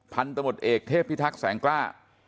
พันธมตเอกเทพพิทักษ์แสงกล้า